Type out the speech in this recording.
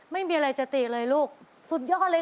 ไม่มีอะไรจะตีเลยลูกสุดยอดเลย